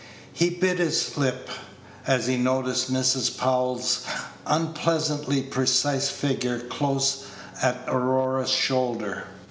He bit his lip as he noticed Mrs. Powell's unpleasantly precise figure close at Aurora's shoulder.